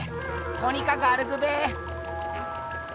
とにかく歩くべ。